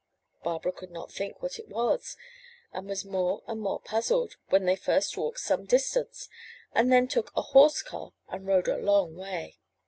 Barbara could not think what it was, and was more and more puzzled when they first walked some distance, and then took a horse car and rode a long way.